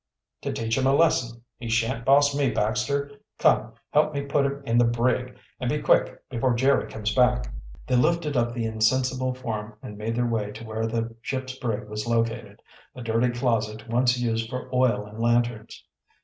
"To teach him a lesson. He shan't boss me, Baxter. Come, help me put him in the brig, and be quick, before Jerry comes back." They lifted up the insensible form and made their way to where the ship's brig was located, a dirty closet once used for oil and lanterns.